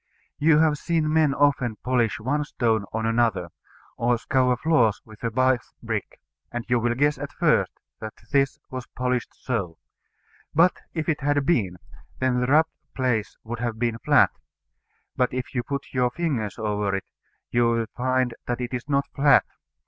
You have seen men often polish one stone on another, or scour floors with a Bath brick, and you will guess at first that this was polished so: but if it had been, then the rubbed place would have been flat: but if you put your fingers over it, you will find that it is not flat.